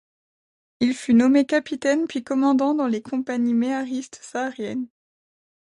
Il fut nommé capitaine puis commandant dans les Compagnies méharistes sahariennes.